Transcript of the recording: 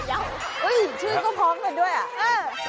เออชื่อก็พร้อมกันด้วยอ่ะ